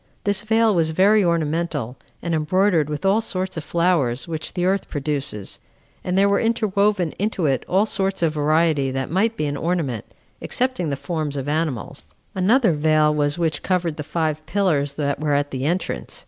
This veil was very ornamental, and embroidered with all sorts of flowers which the earth produces; and there were interwoven into it all sorts of variety that might be an ornament, excepting the forms of animals. Another veil there was which covered the five pillars that were at the entrance.